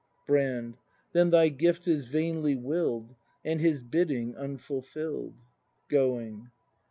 Brand. Then thy gift is vainly will'd And Ilis bidding unfulfill'd. [Going.